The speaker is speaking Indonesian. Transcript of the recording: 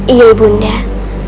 iya ibu undah